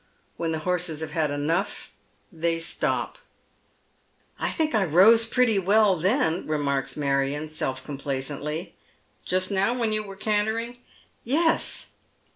When the horses have had enough they stop. Tilherry Steeplechase. 205 "1 think I rose pretty well then," remarks Marion, Belf comf)lacently, " Just now, when you were cantering ?"" Yes."